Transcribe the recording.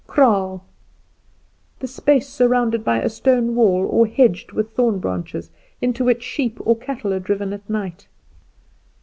Kraal The space surrounded by a stone wall or hedged with thorn branches, into which sheep or cattle are driven at night.